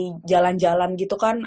terus kayak di jalan jalan gitu kan ada